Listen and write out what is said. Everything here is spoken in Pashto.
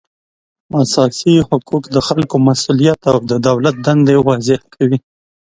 اساسي حقوق د خلکو مسولیت او د دولت دندې واضح کوي